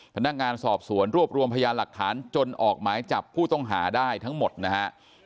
พนักงานสอบสวนรวบรวมพยานหลักฐานจนออกหมายจับผู้ต้องหาได้ทั้งหมดนะฮะ